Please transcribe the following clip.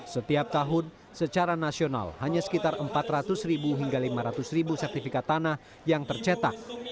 setiap tahun secara nasional hanya sekitar empat ratus ribu hingga lima ratus ribu sertifikat tanah yang tercetak